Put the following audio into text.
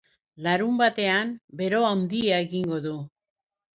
Larunbatean bero handia egingo du.